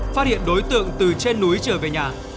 phát hiện đối tượng từ trên núi trở về nhà